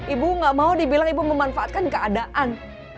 ibu gak mau dibilang ibu memanfaatkan keadaan